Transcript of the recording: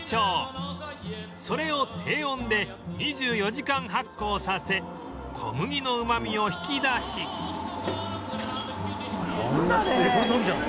それを低温で２４時間発酵させ小麦のうまみを引き出しなんだ？